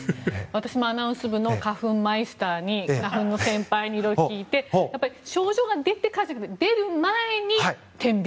私もアナウンス部の花粉マイスターに花粉の先輩にいろいろ聞いて症状が出てからじゃなく出る前に点鼻